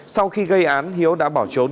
sau khi gây án hiếu đã bỏ trốn